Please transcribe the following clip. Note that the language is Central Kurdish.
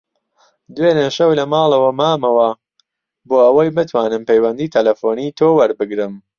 دوێنێ شەو لە ماڵەوە مامەوە بۆ ئەوەی بتوانم پەیوەندیی تەلەفۆنیی تۆ وەربگرم.